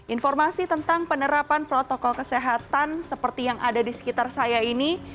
informasi tentang penerapan protokol kesehatan seperti yang ada di sekitar saya ini